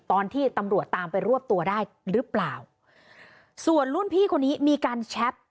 ตอนที่ตำรวจตามไปรวบตัวได้หรือเปล่าส่วนรุ่นพี่คนนี้มีการแชท